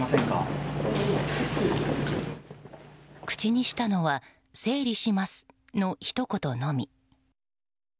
口にしたのは整理しますのひと言のみ。